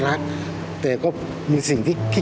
อ้าวตรงนี้